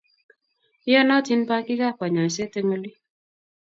Iyonatin pangik ap kanyoiset eng' oli.